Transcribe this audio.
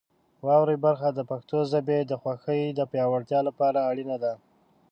واورئ برخه د پښتو ژبې د خوښۍ د پیاوړتیا لپاره اړینه ده.